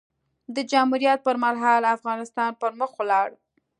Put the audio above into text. د جمهوریت پر مهال؛ افغانستان پر مخ ولاړ.